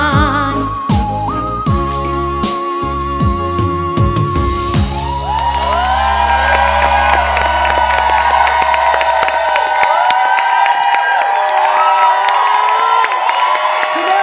สิ่งสุขของเราทุกคนนะเลยนะ